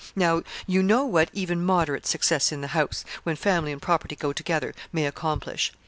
Now, you know what even moderate success in the House, when family and property go together, may accomplish.